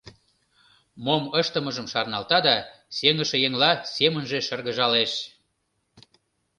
Мом ыштымыжым шарналта да сеҥыше еҥла семынже шыргыжалеш.